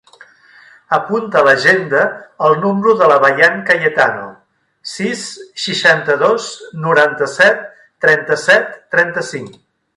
Apunta a l'agenda el número de la Bayan Cayetano: sis, seixanta-dos, noranta-set, trenta-set, trenta-cinc.